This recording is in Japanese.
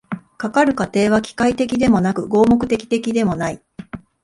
かかる過程は機械的でもなく合目的的でもない。